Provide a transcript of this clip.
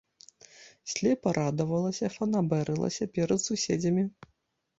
Слепа радавалася, фанабэрылася перад суседзямі.